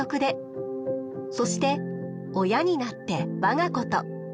そして親になってわが子と。